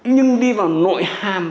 nhưng đi vào nội hàm